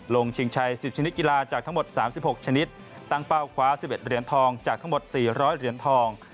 ชิงชัย๑๐ชนิดกีฬาจากทั้งหมด๓๖ชนิดตั้งเป้าคว้า๑๑เหรียญทองจากทั้งหมด๔๐๐เหรียญทอง